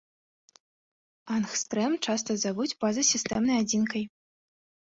Ангстрэм часта завуць пазасістэмнай адзінкай.